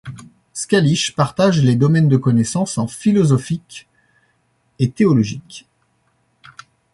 Scalich partage les domaines de connaissance en philosophiques et théologiques.